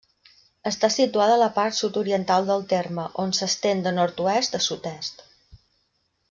Està situada a la part sud-oriental del terme, on s'estén de nord-oest a sud-est.